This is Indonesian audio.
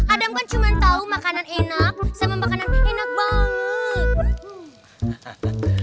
adam kan cuma tahu makanan enak sama makanan enak banget